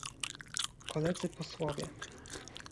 Koledzy posłowie